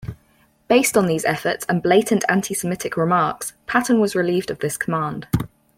Based on these efforts and blatant antisemitic remarks, Patton was relieved of this command.